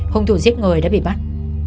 hùng thủ giết người đã bị bắt